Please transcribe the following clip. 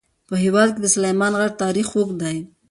په هېواد کې د سلیمان غر تاریخ اوږد دی.